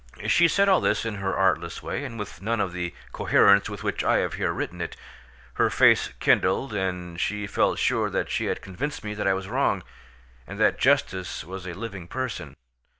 She said all this in her artless way, and with none of the coherence with which I have here written it; her face kindled, and she felt sure that she had convinced me that I was wrong, and that justice was a living person.